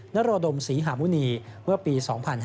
นโรดมศรีหามุณีเมื่อปี๒๕๕๙